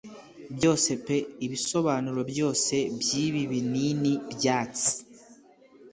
Byose pe ibisobanuro byose byibi binini byatsi -